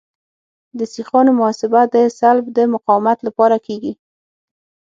د سیخانو محاسبه د سلب د مقاومت لپاره کیږي